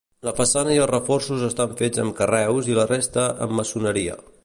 La façana i els reforços estan fets amb carreus i la resta amb maçoneria.